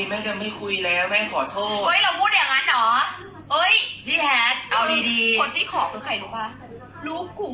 เฮ้ยเราพูดอย่างนั้นเหรอ